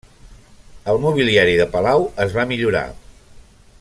El mobiliari de palau es va millorar.